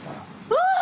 わあ！